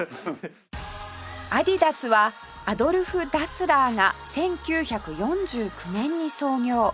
アディダスはアドルフ・ダスラーが１９４９年に創業